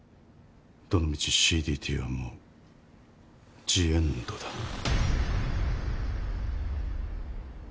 どの道ＣＤＴはもうジエンドだ。